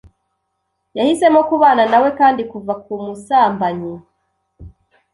Yahisemo kubana na we Kandi kuva ku musambanyi